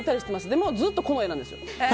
でもずっとこの画なんですよ。